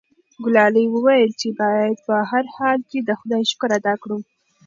ګلالۍ وویل چې باید په هر حال کې د خدای شکر ادا کړو.